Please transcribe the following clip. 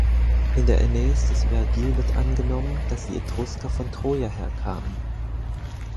In der Aeneis des Vergil wird angenommen, dass die Etrusker von Troja her kamen.